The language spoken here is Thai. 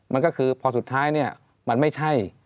มันก็คือพอสุดท้ายเนี่ยมันไม่ใช่